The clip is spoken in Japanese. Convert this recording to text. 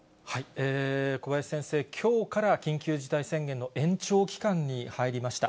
小林先生、きょうから緊急事態宣言のえんちょうかんにはいりました